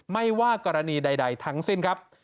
ไม่ว่ากรณีใดทั้งสิ้นครับ